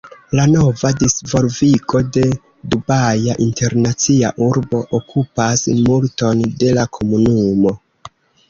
La nova disvolvigo de Dubaja Internacia Urbo okupas multon de la komunumo.